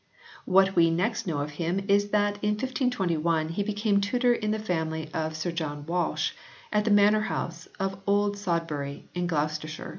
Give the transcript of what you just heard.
What we next know of him is that in 1521 he became tutor in the family of Sir John Walsh at the Manor house of Old Sodbury in Gloucestershire.